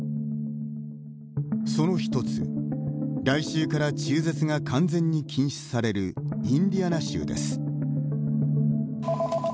その一つ、来週から中絶が完全に禁止されるインディアナ州です。